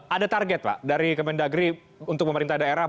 ada target pak dari pak mendagri untuk pemerintah daerah